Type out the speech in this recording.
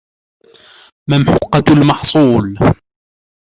مَمْحُوقَةُ الْمَحْصُولِ